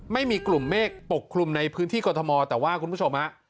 ไม่มีกลุ่มเมฆปกคลุมในพื้นที่กรทมแต่ว่าคุณผู้ชมฮะ